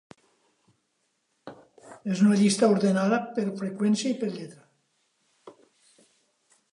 És una llista ordenada per freqüència i per lletra.